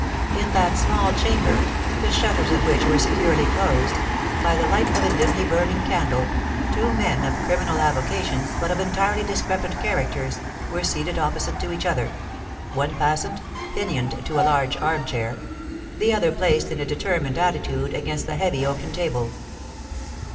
In that small chamber—the shutters of which were securely closed,—by the light of a dimly burning candle, two men of criminal avocations but of entirely discrepant characters, were seated opposite to each other,—one fastened, pinioned to a large arm chair—the other placed in a determined attitude against the heavy oaken table.